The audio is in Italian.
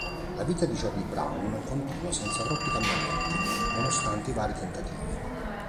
La vita di Charlie Brown continua senza troppi cambiamenti, nonostante i vari tentativi.